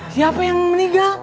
siapa yang meninggal